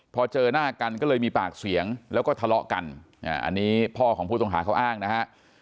พอเจอหน้ากันก็เลยมีปากเสียงแล้วก็ทะเลาะกันอันนี้พ่อของผู้ต้องหาเขาอ้างนะฮะ